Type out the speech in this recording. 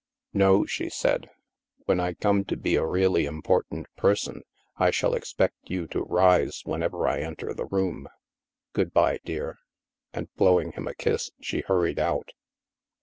" No," she said ;" when I come to be a really im portant person, I shall expect you to rise whenever I enter the room. Good bye, dear," and blowing him a kiss she hurried out.